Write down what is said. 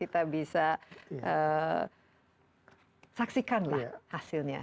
kita bisa saksikan lah hasilnya